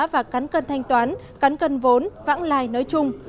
và cắn cân thanh toán cắn cân vốn vãng lai nói chung